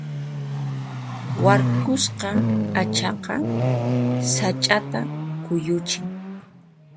Warkusqa p'achaqa sach'ata kuyuchin.